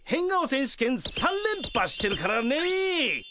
選手権３連覇してるからね。